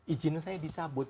izin saya dicabut